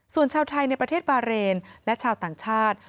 ส่วนชาวไทยในประเทศบาเรนและชาวต่างชาติ